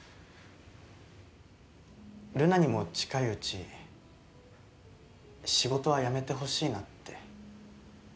留奈にも近いうち仕事は辞めてほしいなって。